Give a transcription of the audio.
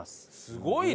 すごいね！